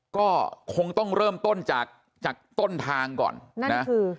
ก็คงต้องเริ่มต้นจากจากต้นทางก่อนนะคือ